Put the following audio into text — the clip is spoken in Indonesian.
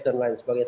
dan lain sebagainya